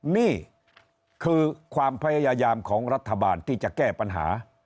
นี่คือความพยายามของรัฐบาลที่จะแก้ปัญหา